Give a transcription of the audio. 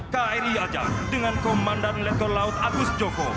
kri ajar dengan komandan letkol laut agus joko